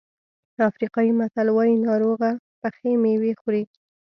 افریقایي متل وایي ناروغه پخې مېوې خوري.